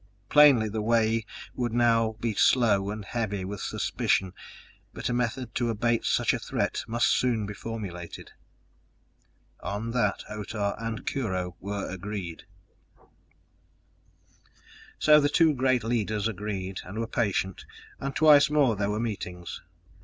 Plainly, the way would now be slow and heavy with suspicion, but a method to abate such a threat must soon be formulated. On that Otah and Kurho were agreed! So the two great leaders agreed, and were patient, and twice more there were meetings.